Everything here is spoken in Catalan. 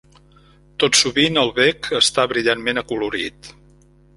Tot sovint, el bec està brillantment acolorit.